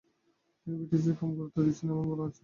তিনি ব্রিটিশদের কম গুরুত্ব দিচ্ছেন এমন বলা হচ্ছিল।